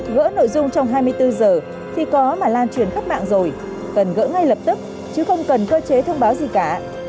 gỡ nội dung trong hai mươi bốn giờ thì có mà lan truyền khắp mạng rồi cần gỡ ngay lập tức chứ không cần cơ chế thông báo gì cả